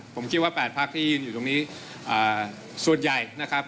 ผมคิดว่า๘พักที่ยืนอยู่ตรงนี้ส่วนใหญ่นะครับ